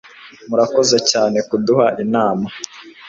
Murakoze cyane kuduha inama